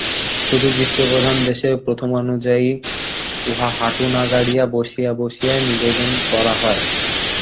শুধু গ্রীষ্মপ্রধান দেশের প্রথানুযায়ী উহা হাঁটু না গাড়িয়া, বসিয়া বসিয়া নিবেদন করা হয়।